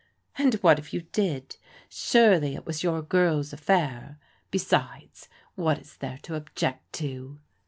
" And what if you did? Surely it was your girl's af fair. Besides, what is there to object to?"